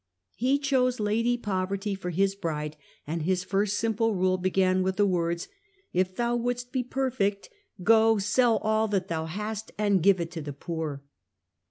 He chose " Lady Poverty " for his bride, and his first simple rule began with the words, " If thou wouldst be perfect, go, sell all that thou hast, and give to the poor."